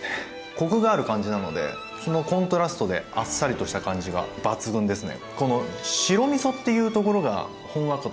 コクがある感じなのでそのコントラストであっさりとした感じが抜群ですね。